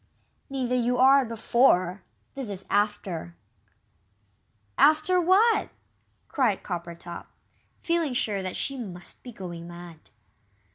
"Neither you are, before this is 'after'." "After what?" cried Coppertop, feeling sure that she must be going mad.